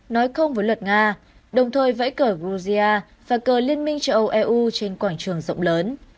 nói không với luật nga đồng thời vẫy cởi georgia và cờ liên minh châu âu eu trên quảng trường rộng lớn